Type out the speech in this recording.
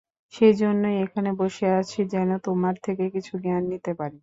সেজন্যই এখানে বসে আছি যেন তোমার থেকে কিছু জ্ঞান নিতে পারি।